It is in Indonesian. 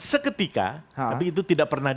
seketika tapi itu tidak pernah